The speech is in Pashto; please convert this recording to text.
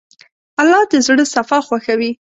الله د زړه صفا خوښوي.